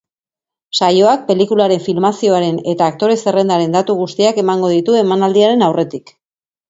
Saioak pelikularen filmazioaren eta aktore zerrendaren datu guztiak emango ditu emanaldiaren aurretik.